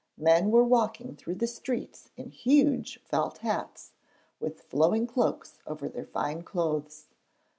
Men were walking through the streets in huge felt hats, with flowing cloaks over their fine clothes.